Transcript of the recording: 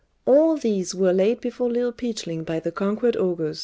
All these were laid before Little Peachling by the conquered ogres.